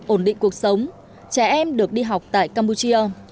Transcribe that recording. ổn định cuộc sống trẻ em được đi học tại campuchia